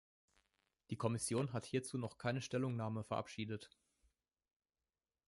Die Kommission hat hierzu noch keine Stellungnahme verabschiedet.